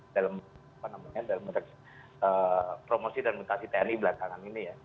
dalam promosi dan mutasi tni belakangan ini